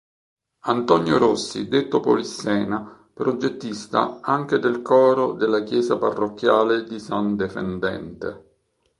Antonio Rossi detto Polissena progettista anche del coro della chiesa parrocchiale di san Defendente.